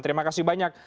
terima kasih banyak